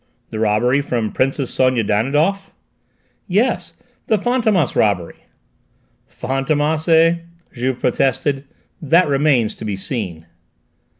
"The robbery from Princess Sonia Danidoff?" "Yes: the Fantômas robbery!" "Fantômas, eh?" Juve protested. "That remains to be seen."